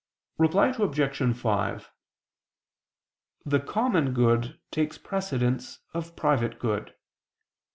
Reply Obj. 5: The common good takes precedence of private good.